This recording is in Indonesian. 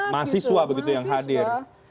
mahasiswa yang hadir